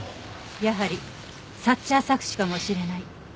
やはりサッチャー錯視かもしれない。